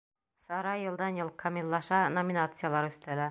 Сара йылдан-йыл камиллаша, номинациялар өҫтәлә.